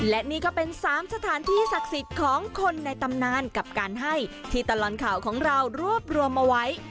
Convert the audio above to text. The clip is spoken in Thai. และนี่ก็เป็น๓สถานที่ศักดิ์สิทธิ์ของคนในตำนานกับการให้ที่ตลอดข่าวของเรารวบรวมเอาไว้